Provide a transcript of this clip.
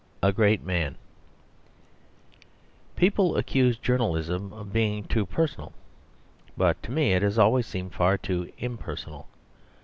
A Great Man People accuse journalism of being too personal; but to me it has always seemed far too impersonal.